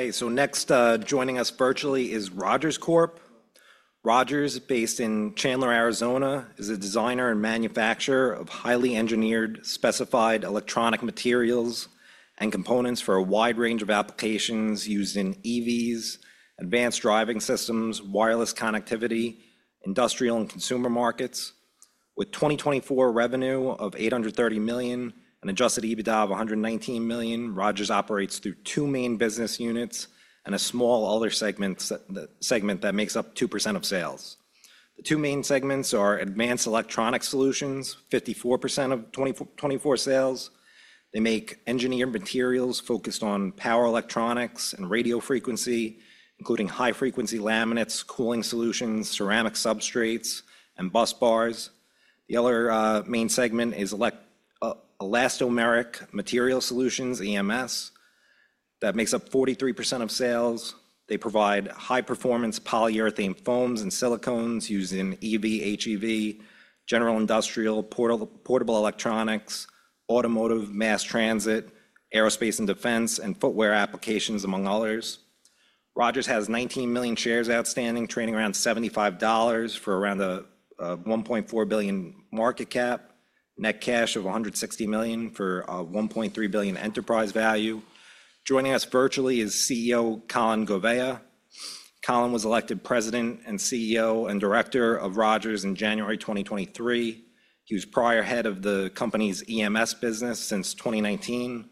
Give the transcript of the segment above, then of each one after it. Okay, so next joining us virtually is Rogers Corporation. Rogers, based in Chandler, Arizona, is a designer and manufacturer of highly engineered, specified electronic materials and components for a wide range of applications used in EVs, advanced driving systems, wireless connectivity, industrial, and consumer markets. With 2024 revenue of $830 million and adjusted EBITDA of $119 million, Rogers operates through two main business units and a small other segment that makes up 2% of sales. The two main segments are Advanced Electronics Solutions, 54% of 2024 sales. They make Engineered Materials focused on power electronics and radio frequency, including high-frequency laminates, cooling solutions, ceramic substrates, and busbars. The other main segment is Elastomeric Material Solutions, EMS, that makes up 43% of sales. They provide high-performance polyurethane foams and silicones used in EV, HEV, general industrial, portable electronics, automotive, mass transit, aerospace and defense, and footwear applications, among others. Rogers has 19 million shares outstanding, trading around $75 for around a $1.4 billion market cap, net cash of $160 million for a $1.3 billion enterprise value. Joining us virtually is CEO Colin Gouveia. Colin was elected President and CEO and Director of Rogers in January 2023. He was prior head of the company's EMS business since 2019.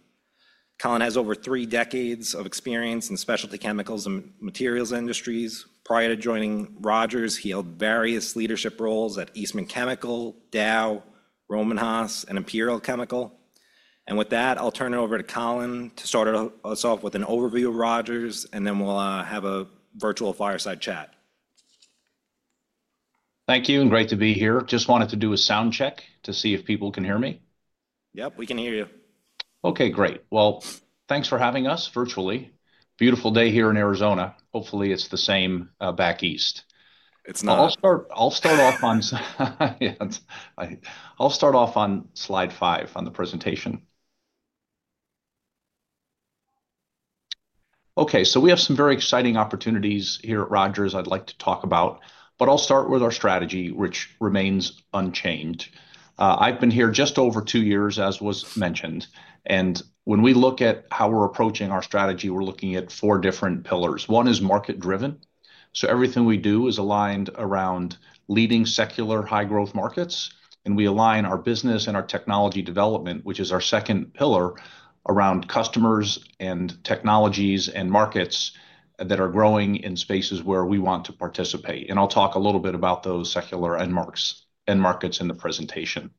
Colin has over three decades of experience in specialty chemicals and materials industries. Prior to joining Rogers, he held various leadership roles at Eastman Chemical, Dow, Rohm and Haas, and Imperial Chemical. With that, I'll turn it over to Colin to start us off with an overview of Rogers, and then we'll have a virtual fireside chat. Thank you. Great to be here. Just wanted to do a sound check to see if people can hear me. Yep, we can hear you. Okay, great. Thanks for having us virtually. Beautiful day here in Arizona. Hopefully, it's the same back east. It's not. I'll start off on slide five on the presentation. Okay, we have some very exciting opportunities here at Rogers I'd like to talk about, but I'll start with our strategy, which remains unchanged. I've been here just over two years, as was mentioned. When we look at how we're approaching our strategy, we're looking at four different pillars. One is market-driven. Everything we do is aligned around leading secular high-growth markets. We align our business and our technology development, which is our second pillar, around customers and technologies and markets that are growing in spaces where we want to participate. I'll talk a little bit about those secular end markets in the presentation.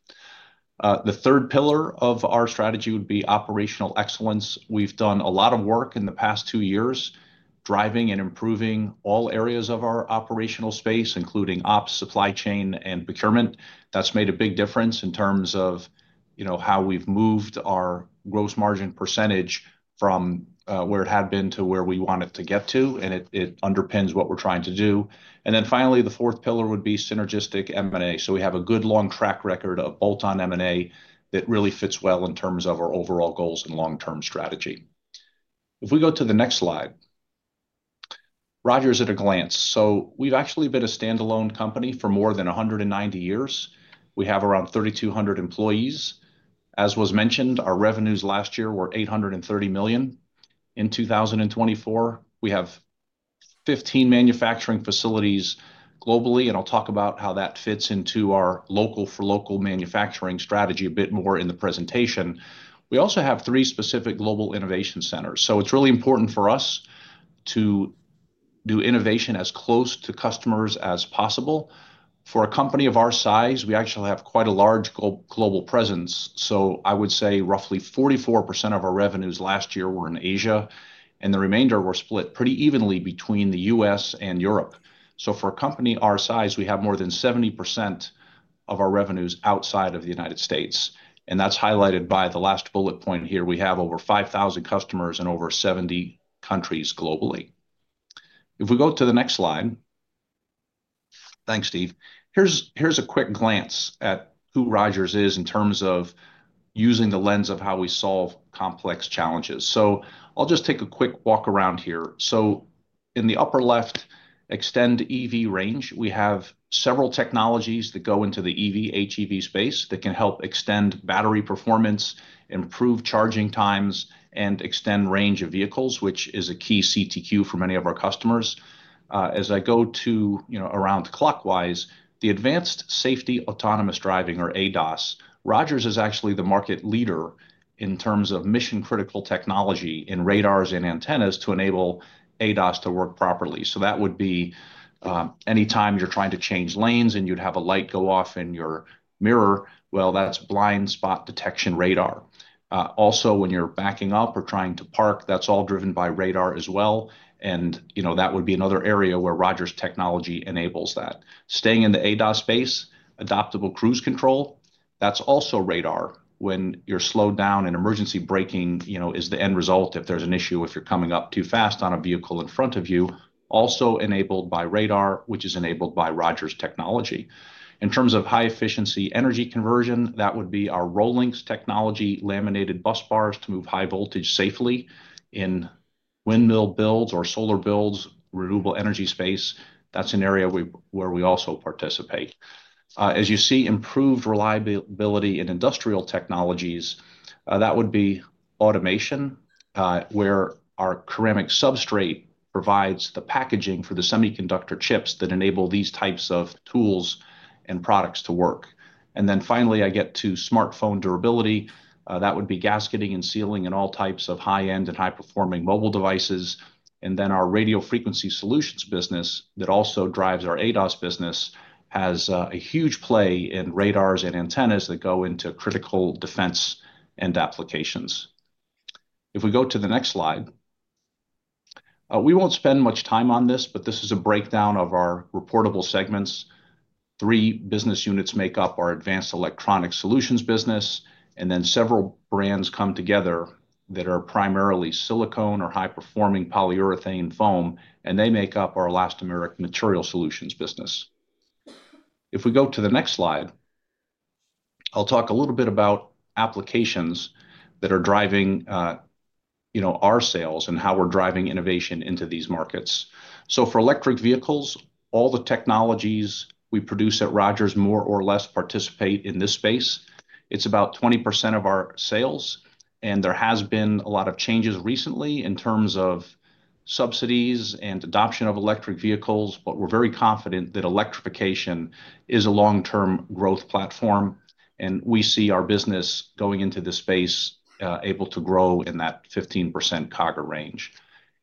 The third pillar of our strategy would be operational excellence. We've done a lot of work in the past two years driving and improving all areas of our operational space, including ops, supply chain, and procurement. That's made a big difference in terms of how we've moved our gross margin % from where it had been to where we wanted to get to, and it underpins what we're trying to do. Finally, the fourth pillar would be synergistic M&A. We have a good long track record of bolt-on M&A that really fits well in terms of our overall goals and long-term strategy. If we go to the next slide, Rogers at a glance. We've actually been a standalone company for more than 190 years. We have around 3,200 employees. As was mentioned, our revenues last year were $830 million. In 2024, we have 15 manufacturing facilities globally, and I'll talk about how that fits into our local-for-local manufacturing strategy a bit more in the presentation. We also have three specific global innovation centers. So it's really important for us to do innovation as close to customers as possible. For a company of our size, we actually have quite a large global presence. I would say roughly 44% of our revenues last year were in Asia, and the remainder were split pretty evenly between the U.S. and Europe. For a company our size, we have more than 70% of our revenues outside of the United States. That's highlighted by the last bullet point here. We have over 5,000 customers in over 70 countries globally. If we go to the next slide. Thanks, Steve. Here's a quick glance at who Rogers is in terms of using the lens of how we solve complex challenges. I'll just take a quick walk around here. In the upper left, extend EV range, we have several technologies that go into the EV, HEV space that can help extend battery performance, improve charging times, and extend range of vehicles, which is a key CTQ for many of our customers. As I go around clockwise, the Advanced Safety Autonomous driving, or ADAS, Rogers is actually the market leader in terms of mission-critical technology in radars and antennas to enable ADAS to work properly. That would be anytime you're trying to change lanes and you'd have a light go off in your mirror, that's blind spot detection radar. Also, when you're backing up or trying to park, that's all driven by radar as well. That would be another area where Rogers technology enables that. Staying in the ADAS space, adaptable cruise control, that's also radar when you're slowed down and emergency braking is the end result if there's an issue if you're coming up too fast on a vehicle in front of you, also enabled by radar, which is enabled by Rogers technology. In terms of high-efficiency energy conversion, that would be our ROLINX technology, laminated busbars to move high voltage safely in windmill builds or solar builds, renewable energy space. That's an area where we also participate. As you see, improved reliability in industrial technologies, that would be automation where our ceramic substrate provides the packaging for the semiconductor chips that enable these types of tools and products to work. Finally, I get to smartphone durability. That would be gasketing and sealing and all types of high-end and high-performing mobile devices. Our radio frequency solutions business that also drives our ADAS business has a huge play in radars and antennas that go into critical defense end applications. If we go to the next slide, we will not spend much time on this, but this is a breakdown of our reportable segments. Three business units make up our Advanced Electronics Solutions business, and several brands come together that are primarily silicone or high-performing polyurethane foam, and they make up our Elastomeric Material Solutions business. If we go to the next slide, I will talk a little bit about applications that are driving our sales and how we are driving innovation into these markets. For Electric Vehicles, all the technologies we produce at Rogers more or less participate in this space. It is about 20% of our sales. There has been a lot of changes recently in terms of subsidies and adoption of Electric Vehicles, but we're very confident that electrification is a long-term growth platform. We see our business going into this space able to grow in that 15% CAGR range.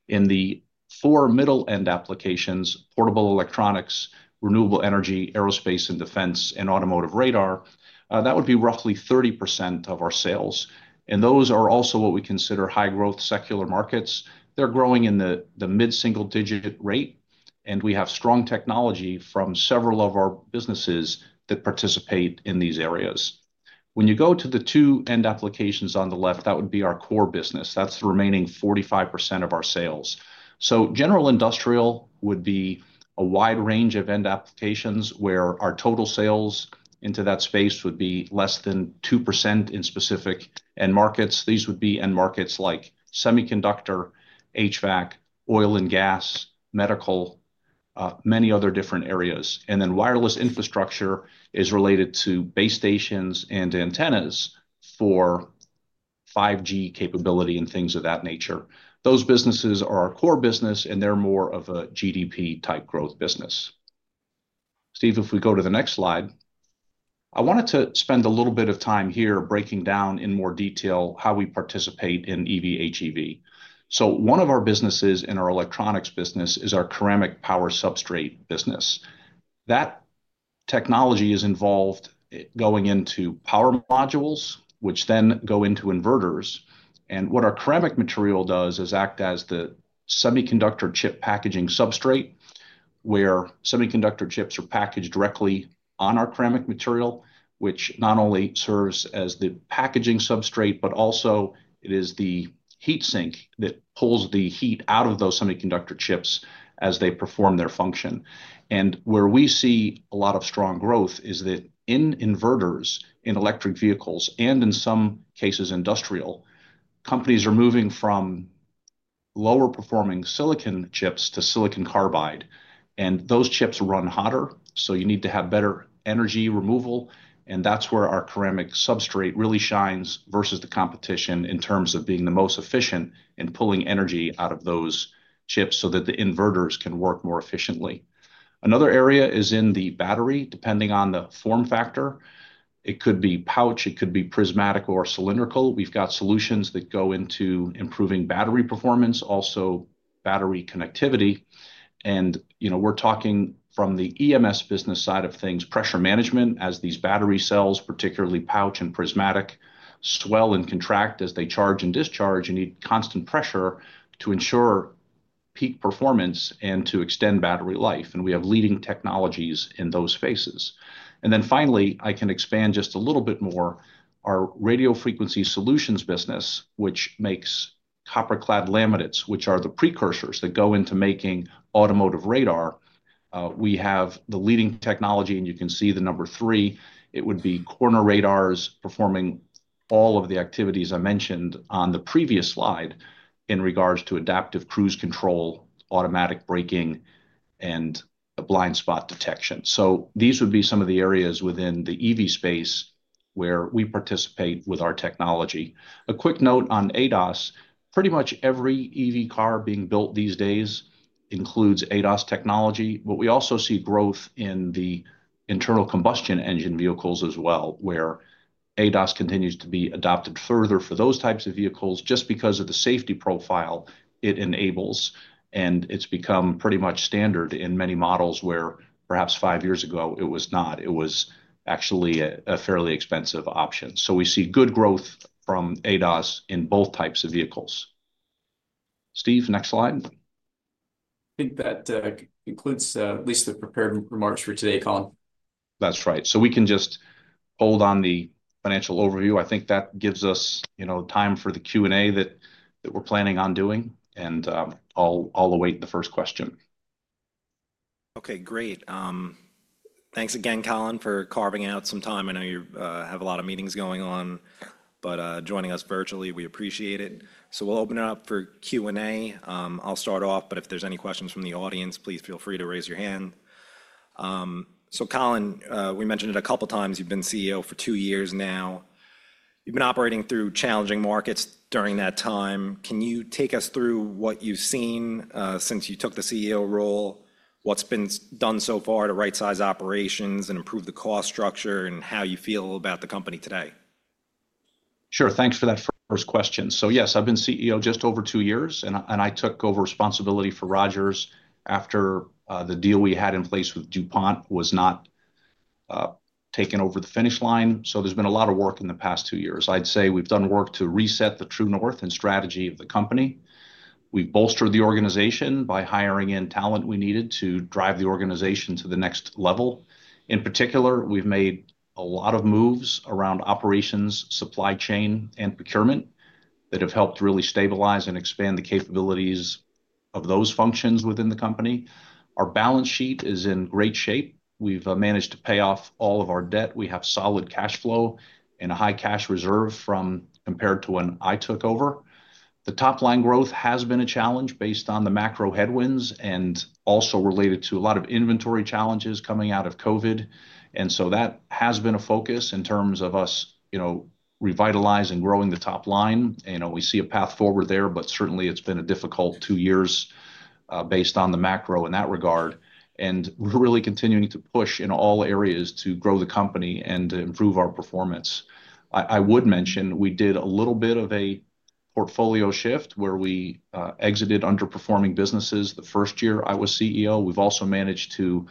In the four middle-end applications, portable electronics, renewable energy, aerospace and defense, and automotive radar, that would be roughly 30% of our sales. Those are also what we consider high-growth secular markets. They're growing in the mid-single-digit rate, and we have strong technology from several of our businesses that participate in these areas. When you go to the two end applications on the left, that would be our core business. That's the remaining 45% of our sales. General industrial would be a wide range of end applications where our total sales into that space would be less than 2% in specific end markets. These would be end markets like semiconductor, HVAC, oil and gas, medical, many other different areas. Wireless infrastructure is related to base stations and antennas for 5G capability and things of that nature. Those businesses are our core business, and they're more of a GDP-type growth business. Steve, if we go to the next slide, I wanted to spend a little bit of time here breaking down in more detail how we participate in EV, HEV. One of our businesses in our electronics business is our ceramic power substrate business. That technology is involved going into power modules, which then go into inverters. What our ceramic material does is act as the semiconductor chip packaging substrate where semiconductor chips are packaged directly on our ceramic material, which not only serves as the packaging substrate, but also it is the heat sink that pulls the heat out of those semiconductor chips as they perform their function. Where we see a lot of strong growth is that in inverters, in Electric Vehicles, and in some cases industrial, companies are moving from lower-performing silicon chips to silicon carbide. Those chips run hotter, so you need to have better energy removal. That is where our ceramic substrate really shines versus the competition in terms of being the most efficient in pulling energy out of those chips so that the inverters can work more efficiently. Another area is in the battery, depending on the form factor. It could be pouch, it could be prismatic or cylindrical. We've got solutions that go into improving battery performance, also battery connectivity. We're talking from the EMS business side of things, pressure management, as these battery cells, particularly pouch and prismatic, swell and contract as they charge and discharge. You need constant pressure to ensure peak performance and to extend battery life. We have leading technologies in those spaces. Finally, I can expand just a little bit more. Our radio frequency solutions business, which makes copper-clad laminates, which are the precursors that go into making automotive radar, we have the leading technology, and you can see the number three. It would be corner radars performing all of the activities I mentioned on the previous slide in regards to adaptive cruise control, automatic braking, and blind spot detection. These would be some of the areas within the EV space where we participate with our technology. A quick note on ADAS, pretty much every EV car being built these days includes ADAS technology, but we also see growth in the internal combustion engine vehicles as well, where ADAS continues to be adopted further for those types of vehicles just because of the safety profile it enables. It has become pretty much standard in many models where perhaps five years ago it was not. It was actually a fairly expensive option. We see good growth from ADAS in both types of vehicles. Steve, next slide. I think that includes at least the prepared remarks for today, Colin. That's right. We can just hold on the financial overview. I think that gives us time for the Q&A that we're planning on doing. I'll await the first question. Okay, great. Thanks again, Colin, for carving out some time. I know you have a lot of meetings going on, but joining us virtually, we appreciate it. We'll open it up for Q&A. I'll start off, but if there are any questions from the audience, please feel free to raise your hand. Colin, we mentioned it a couple of times. You've been CEO for two years now. You've been operating through challenging markets during that time. Can you take us through what you've seen since you took the CEO role? What's been done so far to right-size operations and improve the cost structure and how you feel about the company today? Sure. Thanks for that first question. Yes, I've been CEO just over two years, and I took over responsibility for Rogers after the deal we had in place with DuPont was not taken over the finish line. There has been a lot of work in the past two years. I'd say we've done work to reset the true north and strategy of the company. We've bolstered the organization by hiring in talent we needed to drive the organization to the next level. In particular, we've made a lot of moves around operations, supply chain, and procurement that have helped really stabilize and expand the capabilities of those functions within the company. Our balance sheet is in great shape. We've managed to pay off all of our debt. We have solid cash flow and a high cash reserve compared to when I took over. The top-line growth has been a challenge based on the macro headwinds and also related to a lot of inventory challenges coming out of COVID. That has been a focus in terms of us revitalizing and growing the top line. We see a path forward there, but certainly it's been a difficult two years based on the macro in that regard. We're really continuing to push in all areas to grow the company and to improve our performance. I would mention we did a little bit of a portfolio shift where we exited underperforming businesses the first year I was CEO. We've also managed to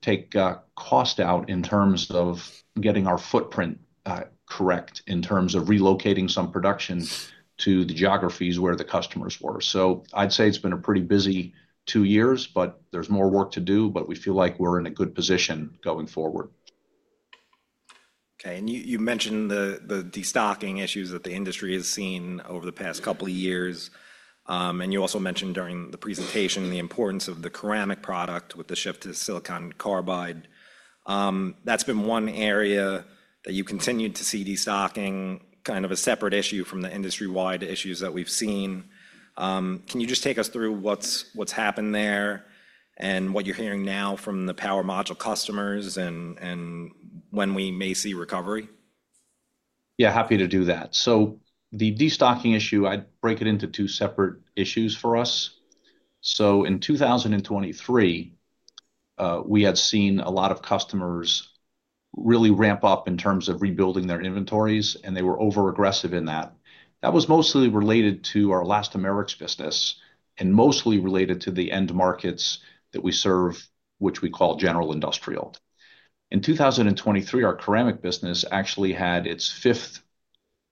take cost out in terms of getting our footprint correct in terms of relocating some production to the geographies where the customers were. I'd say it's been a pretty busy two years, but there's more work to do, but we feel like we're in a good position going forward. Okay. You mentioned the destocking issues that the industry has seen over the past couple of years. You also mentioned during the presentation the importance of the ceramic product with the shift to silicon carbide. That has been one area that you continued to see destocking, kind of a separate issue from the industry-wide issues that we have seen. Can you just take us through what has happened there and what you are hearing now from the power module customers and when we may see recovery? Yeah, happy to do that. The destocking issue, I'd break it into two separate issues for us. In 2023, we had seen a lot of customers really ramp up in terms of rebuilding their inventories, and they were over-aggressive in that. That was mostly related to our elastomerics business and mostly related to the end markets that we serve, which we call general industrial. In 2023, our ceramic business actually had its fifth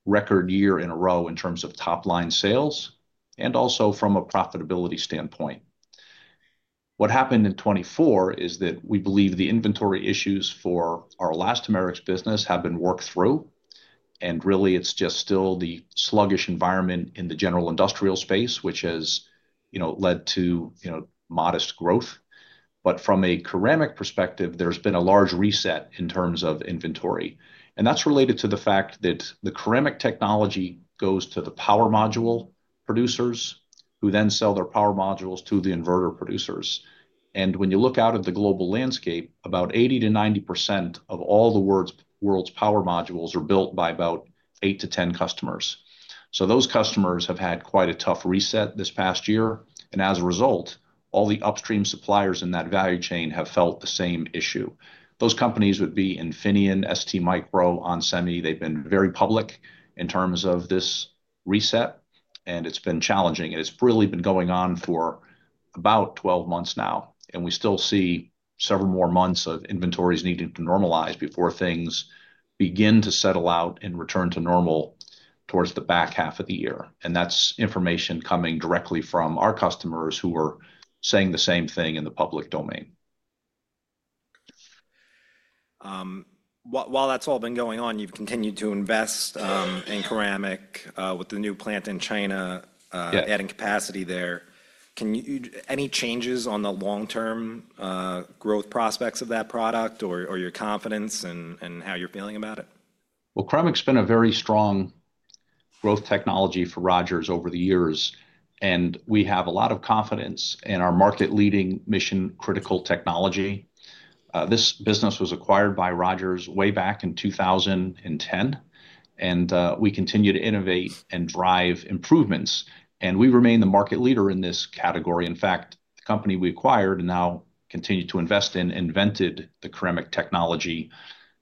record year in a row in terms of top-line sales and also from a profitability standpoint. What happened in 2024 is that we believe the inventory issues for our elastomerics business have been worked through. Really, it's just still the sluggish environment in the general industrial space, which has led to modest growth. From a ceramic perspective, there's been a large reset in terms of inventory. That is related to the fact that the ceramic technology goes to the power module producers, who then sell their power modules to the inverter producers. When you look out at the global landscape, about 80-90% of all the world's power modules are built by about 8-10 customers. Those customers have had quite a tough reset this past year. As a result, all the upstream suppliers in that value chain have felt the same issue. Those companies would be Infineon, STMicroelectronics, onsemi. They have been very public in terms of this reset, and it has been challenging. It has really been going on for about 12 months now. We still see several more months of inventories needing to normalize before things begin to settle out and return to normal towards the back half of the year. That is information coming directly from our customers who are saying the same thing in the public domain. While that's all been going on, you've continued to invest in ceramic with the new plant in China, adding capacity there. Any changes on the long-term growth prospects of that product or your confidence and how you're feeling about it? Ceramic's been a very strong growth technology for Rogers over the years. We have a lot of confidence in our market-leading mission-critical technology. This business was acquired by Rogers way back in 2010, and we continue to innovate and drive improvements. We remain the market leader in this category. In fact, the company we acquired and now continue to invest in invented the ceramic technology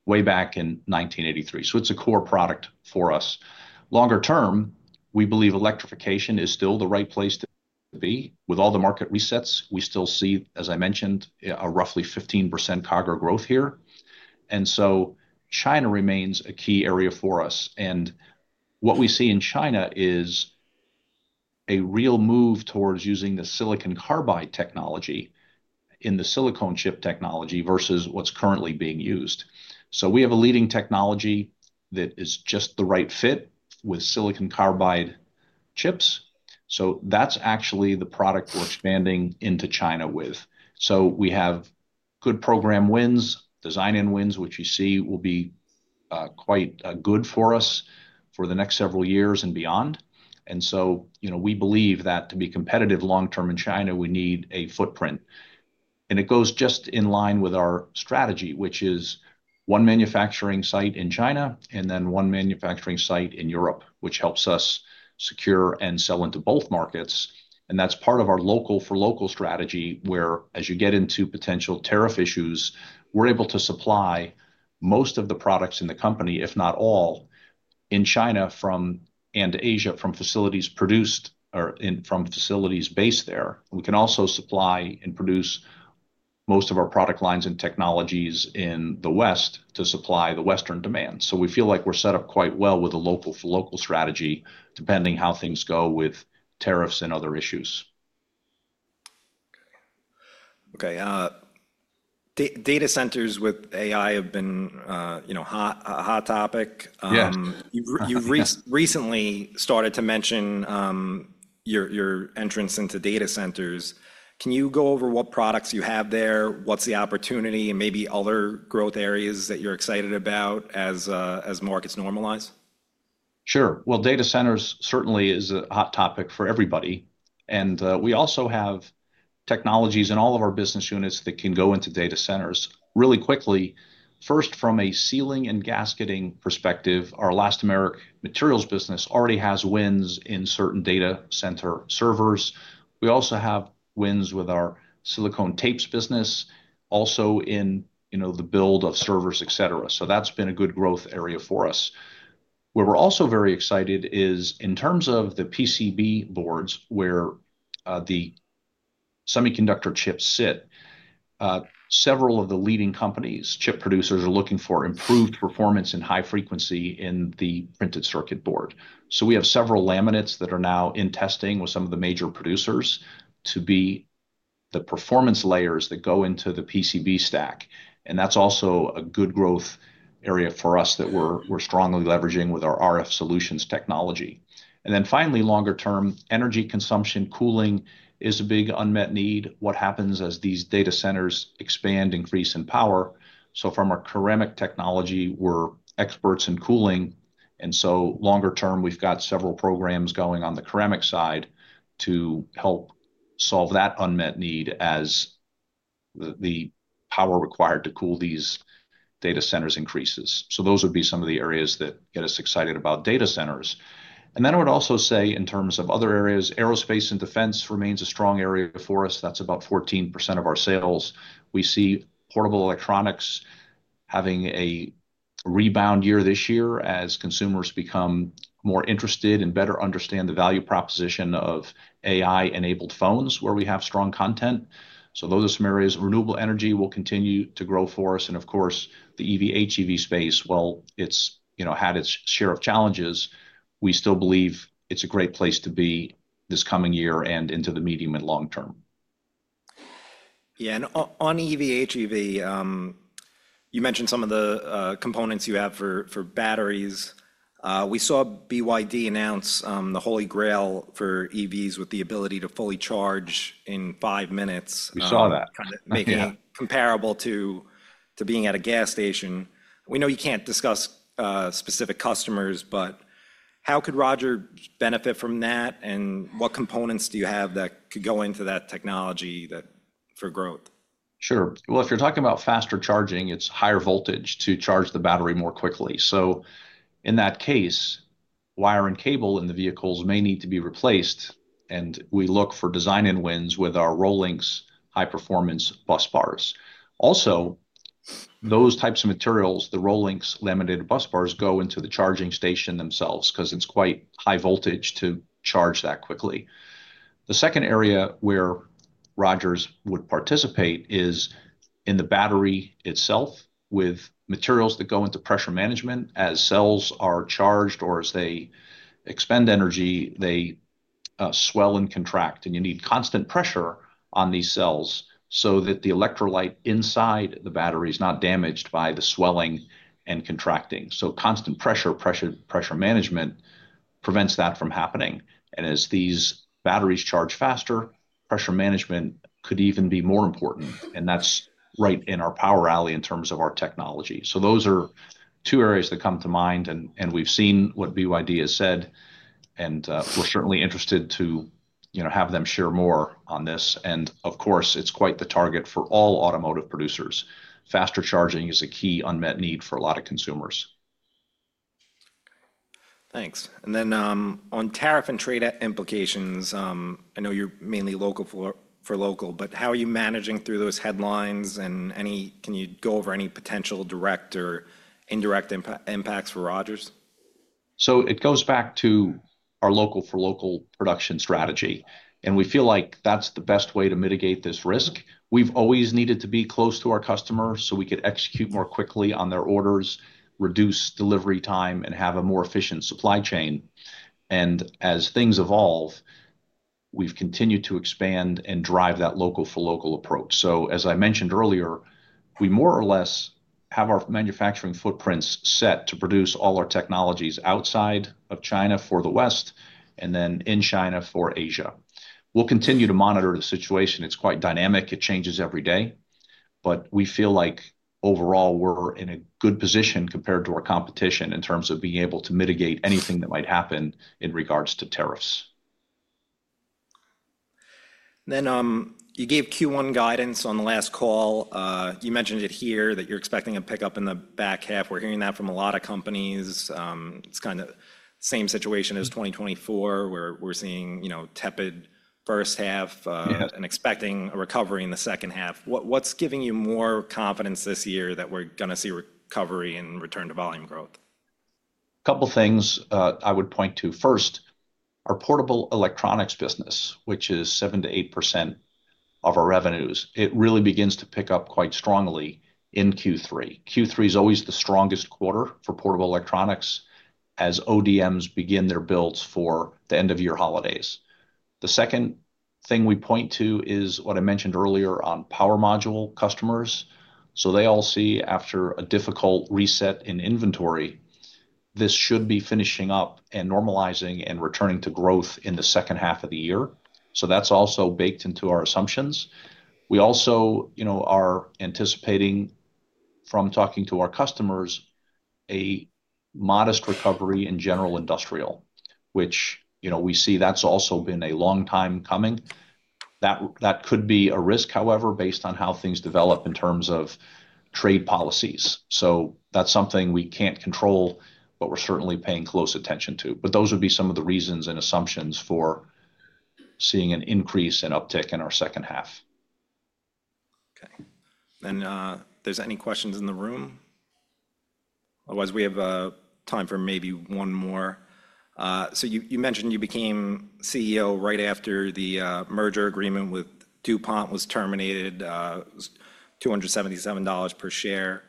way back in 1983. It is a core product for us. Longer term, we believe electrification is still the right place to be. With all the market resets, we still see, as I mentioned, a roughly 15% CAGR growth here. China remains a key area for us. What we see in China is a real move towards using the silicon carbide technology in the silicon chip technology versus what's currently being used. We have a leading technology that is just the right fit with silicon carbide chips. That is actually the product we are expanding into China with. We have good program wins, design wins, which you see will be quite good for us for the next several years and beyond. We believe that to be competitive long-term in China, we need a footprint. It goes just in line with our strategy, which is one manufacturing site in China and then one manufacturing site in Europe, which helps us secure and sell into both markets. That is part of our local-for-local strategy where, as you get into potential tariff issues, we are able to supply most of the products in the company, if not all, in China and Asia from facilities produced or from facilities based there. We can also supply and produce most of our product lines and technologies in the West to supply the Western demand. We feel like we're set up quite well with a local-for-local strategy, depending how things go with tariffs and other issues. Okay. Data centers with AI have been a hot topic. You've recently started to mention your entrance into data centers. Can you go over what products you have there, what's the opportunity, and maybe other growth areas that you're excited about as markets normalize? Sure. Data centers certainly is a hot topic for everybody. We also have technologies in all of our business units that can go into data centers really quickly. First, from a sealing and gasketing perspective, our elastomeric materials business already has wins in certain data center servers. We also have wins with our silicon tapes business, also in the build of servers, etc. That has been a good growth area for us. Where we are also very excited is in terms of the PCB boards where the semiconductor chips sit. Several of the leading companies, chip producers, are looking for improved performance and high frequency in the printed circuit board. We have several laminates that are now in testing with some of the major producers to be the performance layers that go into the PCB stack. That is also a good growth area for us that we are strongly leveraging with our RF solutions technology. Finally, longer term, energy consumption cooling is a big unmet need. What happens as these data centers expand, increase in power? From our ceramic technology, we are experts in cooling. Longer term, we have several programs going on the ceramic side to help solve that unmet need as the power required to cool these data centers increases. Those would be some of the areas that get us excited about data centers. I would also say in terms of other areas, aerospace and defense remains a strong area for us. That is about 14% of our sales. We see portable electronics having a rebound year this year as consumers become more interested and better understand the value proposition of AI-enabled phones where we have strong content. Those are some areas of renewable energy that will continue to grow for us. Of course, the EV/HEV space, while it has had its share of challenges, we still believe it is a great place to be this coming year and into the medium and long term. Yeah. On EV/HEV, you mentioned some of the components you have for batteries. We saw BYD announce the Holy Grail for EVs with the ability to fully charge in five minutes. We saw that. Making it comparable to being at a gas station. We know you can't discuss specific customers, but how could Rogers benefit from that? What components do you have that could go into that technology for growth? Sure. If you're talking about faster charging, it's higher voltage to charge the battery more quickly. In that case, wire and cable in the vehicles may need to be replaced. We look for design wins with our ROLINX high-performance busbars. Also, those types of materials, the ROLINX laminated busbars, go into the charging station themselves because it's quite high voltage to charge that quickly. The second area where Rogers would participate is in the battery itself with materials that go into pressure management. As cells are charged or as they expend energy, they swell and contract. You need constant pressure on these cells so that the electrolyte inside the battery is not damaged by the swelling and contracting. Constant pressure, pressure management prevents that from happening. As these batteries charge faster, pressure management could even be more important. That's right in our power alley in terms of our technology. Those are two areas that come to mind. We've seen what BYD has said. We're certainly interested to have them share more on this. Of course, it's quite the target for all automotive producers. Faster charging is a key unmet need for a lot of consumers. Thanks. On tariff and trade implications, I know you're mainly local-for-local, but how are you managing through those headlines? Can you go over any potential direct or indirect impacts for Rogers? It goes back to our local-for-local production strategy. We feel like that's the best way to mitigate this risk. We've always needed to be close to our customers so we could execute more quickly on their orders, reduce delivery time, and have a more efficient supply chain. As things evolve, we've continued to expand and drive that local-for-local approach. As I mentioned earlier, we more or less have our manufacturing footprint set to produce all our technologies outside of China for the West and then in China for Asia. We'll continue to monitor the situation. It's quite dynamic. It changes every day. We feel like overall, we're in a good position compared to our competition in terms of being able to mitigate anything that might happen in regards to tariffs. You gave Q1 guidance on the last call. You mentioned it here that you're expecting a pickup in the back half. We're hearing that from a lot of companies. It's kind of the same situation as 2024, where we're seeing tepid first half and expecting a recovery in the second half. What's giving you more confidence this year that we're going to see recovery and return to volume growth? A couple of things I would point to. First, our portable electronics business, which is 7-8% of our revenues, it really begins to pick up quite strongly in Q3. Q3 is always the strongest quarter for portable electronics as ODMs begin their builds for the end-of-year holidays. The second thing we point to is what I mentioned earlier on power module customers. They all see after a difficult reset in inventory, this should be finishing up and normalizing and returning to growth in the second half of the year. That is also baked into our assumptions. We also are anticipating from talking to our customers a modest recovery in general industrial, which we see that has also been a long time coming. That could be a risk, however, based on how things develop in terms of trade policies. That is something we cannot control, but we are certainly paying close attention to it. Those would be some of the reasons and assumptions for seeing an increase and uptick in our second half. Okay. Are there any questions in the room? Otherwise, we have time for maybe one more. You mentioned you became CEO right after the merger agreement with DuPont was terminated, $277 per share.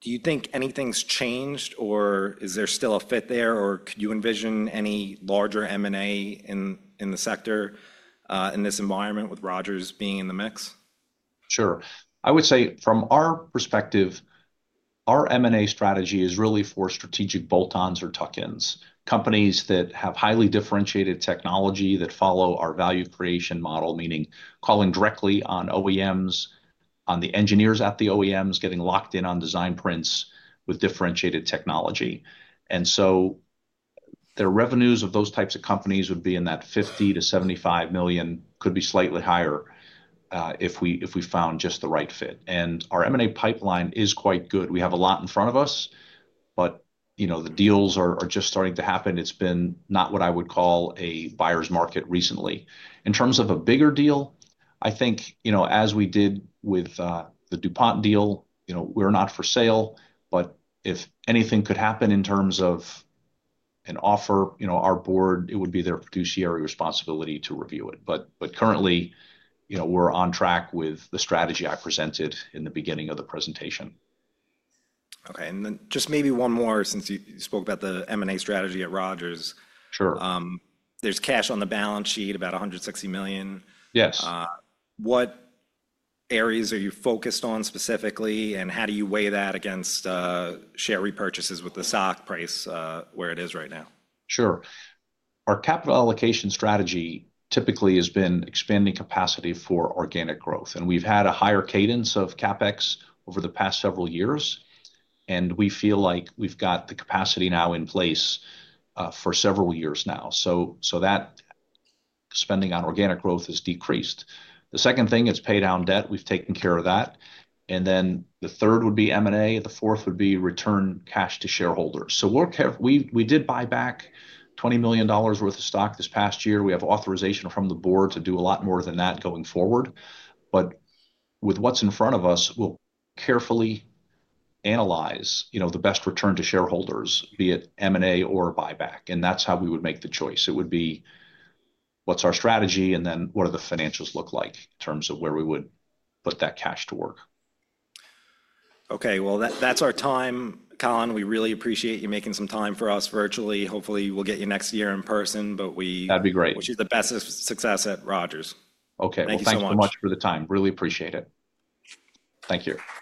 Do you think anything's changed, or is there still a fit there, or could you envision any larger M&A in the sector in this environment with Rogers being in the mix? Sure. I would say from our perspective, our M&A strategy is really for strategic bolt-ons or tuck-ins, companies that have highly differentiated technology that follow our value creation model, meaning calling directly on OEMs, on the engineers at the OEMs, getting locked in on design prints with differentiated technology. The revenues of those types of companies would be in that $50 million-$75 million, could be slightly higher if we found just the right fit. Our M&A pipeline is quite good. We have a lot in front of us, but the deals are just starting to happen. It has been not what I would call a buyer's market recently. In terms of a bigger deal, I think as we did with the DuPont deal, we are not for sale. If anything could happen in terms of an offer, our board, it would be their fiduciary responsibility to review it. Currently, we're on track with the strategy I presented in the beginning of the presentation. Okay. Just maybe one more since you spoke about the M&A strategy at Rogers. Sure. There's cash on the balance sheet, about $160 million. Yes. What areas are you focused on specifically, and how do you weigh that against share repurchases with the stock price where it is right now? Sure. Our capital allocation strategy typically has been expanding capacity for organic growth. We have had a higher cadence of CapEx over the past several years. We feel like we have got the capacity now in place for several years now. That spending on organic growth has decreased. The second thing is pay down debt. We have taken care of that. The third would be M&A. The fourth would be return cash to shareholders. We did buy back $20 million worth of stock this past year. We have authorization from the board to do a lot more than that going forward. With what is in front of us, we will carefully analyze the best return to shareholders, be it M&A or buyback. That is how we would make the choice. It would be what's our strategy, and then what do the financials look like in terms of where we would put that cash to work. Okay. That is our time, Colin. We really appreciate you making some time for us virtually. Hopefully, we will get you next year in person, but we. That'd be great. Wish you the best of success at Rogers. Okay. Thank you so much for the time. Really appreciate it. Thank you.